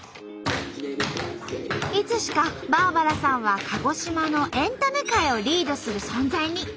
いつしかバーバラさんは鹿児島のエンタメ界をリードする存在に。